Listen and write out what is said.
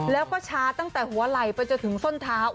แล้วก็ชาตั้งแต่หัวไหล่ไปจนถึงส้นเท้า